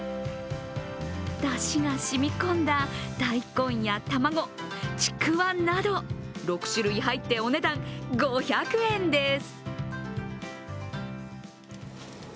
だしが染みこんだ、大根やたまごちくわなど６種類入ってお値段５００円です。